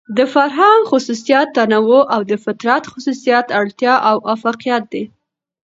د فرهنګ خصوصيت تنوع او د فطرت خصوصيت اړتيا او اۤفاقيت دى.